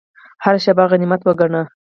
هره شیبه غنیمت وګڼئ